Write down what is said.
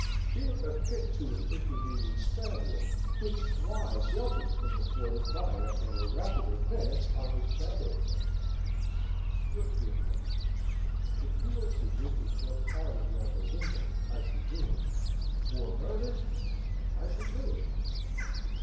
(Here a kick to an intervening spaniel, which flies yelping from before the fire, and a rapid advance on the tambour frame.) "Look here, cousin! If you were to bid me jump out of yonder window, I should do it; or murder, I should do it."